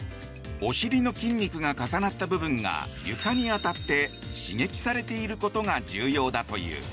お尻の筋肉が重なった部分が床に当たって刺激されていることが重要だという。